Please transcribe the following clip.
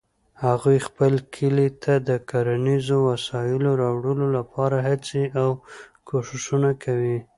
هغوی خپل کلي ته د کرنیزو وسایلو راوړلو لپاره هڅې او کوښښونه کوي